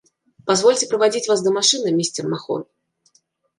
Позвольте проводить вас до машины, мистер Махон.